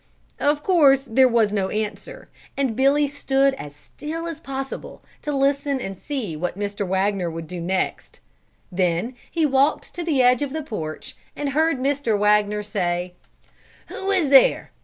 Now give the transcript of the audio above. Of course there was no answer, and Billy stood as still as possible to listen and see what Mr. Wagner would do next; then he walked to the edge of the porch, and heard Mr. Wagner say, "Who is there?